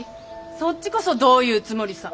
そっちこそどういうつもりさ。